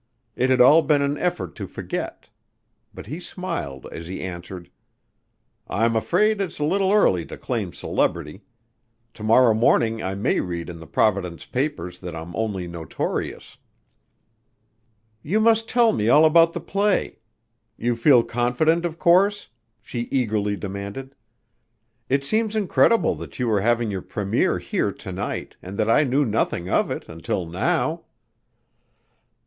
It had all been an effort to forget. But he smiled as he answered. "I'm afraid it's a little early to claim celebrity. To morrow morning I may read in the Providence papers that I'm only notorious." "You must tell me all about the play. You feel confident, of course?" she eagerly demanded. "It seems incredible that you were having your première here to night and that I knew nothing of it until now."